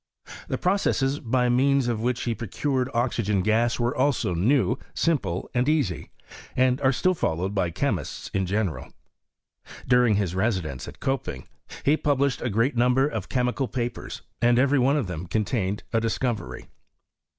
The processes by means of which he pro cm'ed oxygen gas were also new, simple, and ea^, and are still followed by chemists in general. During his residence at Koping he published a great num. her of chemical papers, and every one of them con^ tained a discovery.